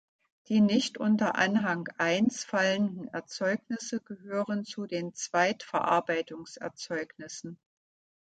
Die nicht unter Anhang I fallenden Erzeugnisse gehören zu den Zweitverarbeitungserzeugnissen.